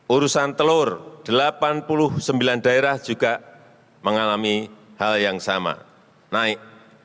urusan telur delapan puluh sembilan daerah juga mengalami hal yang sama naik